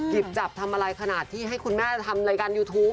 หยิบจับทำอะไรขนาดที่ให้คุณแม่ทำรายการยูทูป